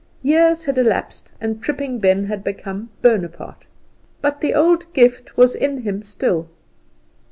Years had elapsed, and Tripping Ben had become Bonaparte; but the old gift was in him still.